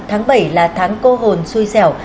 tháng bảy là tháng cô hồn xui xẻo